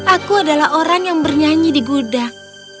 aku adalah orang yang bernyanyi di gudang